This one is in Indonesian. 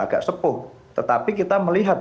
agak sepuh tetapi kita melihat